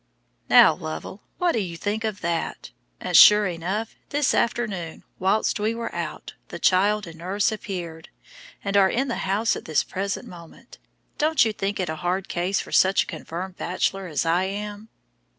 Now, Lovell, what do you think of that? And sure enough, this afternoon, while we were out, the child and nurse appeared, and are in the house at this present moment. Don't you think it a hard case for such a confirmed bachelor as I am?"